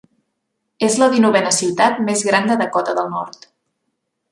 És la dinovena ciutat més gran de Dakota del Nord.